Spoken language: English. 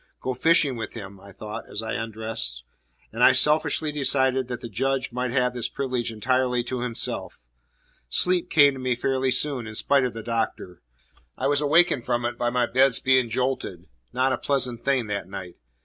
Go fishing with him! I thought, as I undressed. And I selfishly decided that the Judge might have this privilege entirely to himself. Sleep came to me fairly soon, in spite of the Doctor. I was wakened from it by my bed's being jolted not a pleasant thing that night.